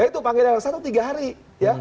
ya itu panggilan yang satu tiga hari ya